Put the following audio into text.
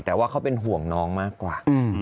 แต่ว่าเขาเป็นห่วงน้องมากกว่า